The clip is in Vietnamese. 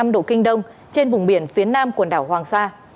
một trăm một mươi một năm độ kinh đông trên vùng biển phía nam quần đảo hoàng sa